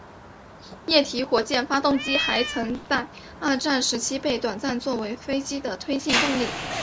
液体火箭发动机还曾在二战时期被短暂作为飞机的推进动力。